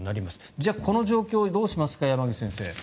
じゃあこの状況どうしますか山口先生。